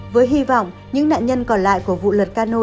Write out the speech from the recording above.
với hy vọng những nạn nhân còn lại của vụ lật cano